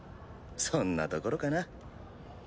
そんなところかな。